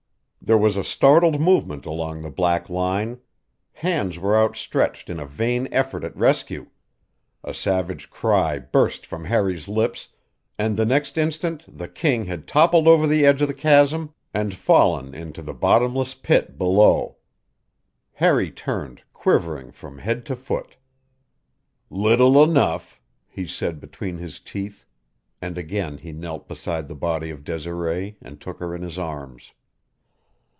There was a startled movement along the black line; hands were outstretched in a vain effort at rescue; a savage cry burst from Harry's lips, and the next instant the king had toppled over the edge of the chasm and fallen into the bottomless pit below. Harry turned, quivering from head to foot. "Little enough," he said between his teeth, and again he knelt beside the body of Desiree and took her in his arms.